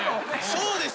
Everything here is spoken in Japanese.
そうです。